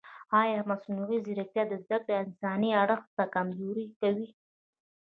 ایا مصنوعي ځیرکتیا د زده کړې انساني اړخ نه کمزوری کوي؟